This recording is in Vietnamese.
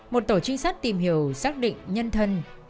một tổ trinh sát tìm hiểu xác định nhân thân